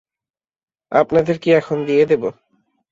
আপনাদের কি এখন দিয়ে দেব?